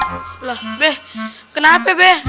lah be kenapa be